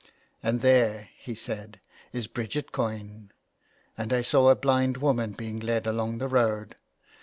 *' And there," he said, " is Bridget Coyne," and I saw a blind woman being led along the road.